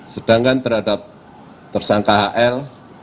sedangkan terhadap tersangka hl